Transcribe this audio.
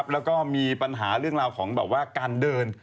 แล้วก็มีปัญหาเรื่องราวของแบบว่าการเดิน